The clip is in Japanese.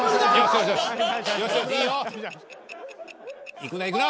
［いくないくな］